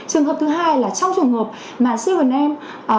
trường hợp thứ hai là trong trường hợp mà bảy am